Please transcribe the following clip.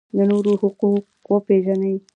د نورو حقوق وپیژنئ